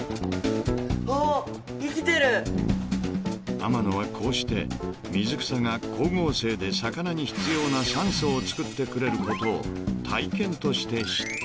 ［天野はこうして水草が光合成で魚に必要な酸素を作ってくれることを体験として知った］